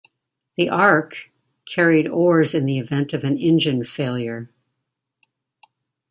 "The Ark" carried oars in the event of engine failure.